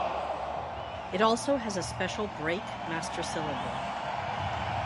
It also has a special brake master cylinder.